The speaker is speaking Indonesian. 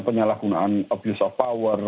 penyalahgunaan abuse of power